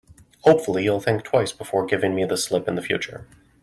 Hopefully, you'll think twice before giving me the slip in future.